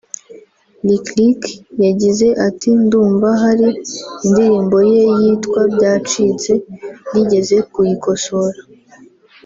Lick Lick yagize ati “Ndumva hari indirimbo ye yitwa “Byacitse” nigeze kuyikosora